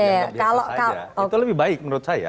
itu lebih baik menurut saya